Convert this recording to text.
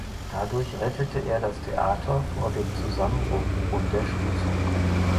Dadurch rettete er das Theater vor dem Zusammenbruch und der Schließung.